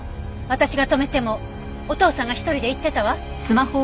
私が止めてもお父さんが一人で行ってたわ。